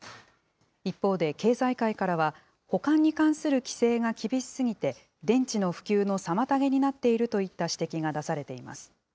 一方で、経済界からは、保管に関する規制が厳しすぎて、電池の普及の妨げになっているといった指摘が出されています。